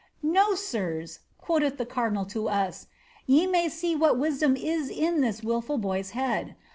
^ No, sirs" (quoth the cardinal to us), ^ ye may see what in this wilful boy's head